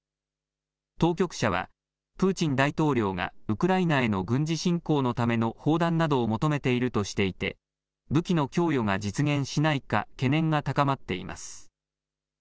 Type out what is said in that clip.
当局者はプーチン大統領がウクライナへの軍事侵攻のための砲弾などを求めているとしていて武器の供与が実現しないか懸念が高まっています。